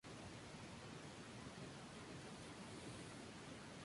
La higuera 'Cul De Cove' es una variedad "bífera" de tipo higo común.